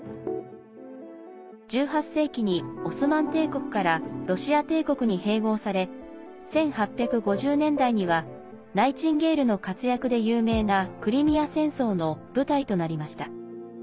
１８世紀に、オスマン帝国からロシア帝国に併合され１８５０年代にはナイチンゲールの活躍で有名なクリミア戦争の舞台となりました。